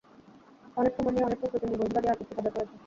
অনেক সময় নিয়ে, অনেক প্রস্তুতি নিয়ে বন্ধুরা দেয়াল পত্রিকা বের করেছে।